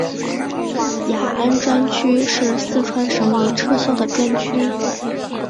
雅安专区是四川省已撤销的专区。